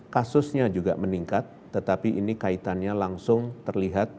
kasusnya juga meningkat tetapi ini kaitannya langsung terlihat